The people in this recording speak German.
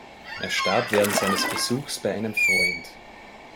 Er starb während seines Besuchs bei einem Freund.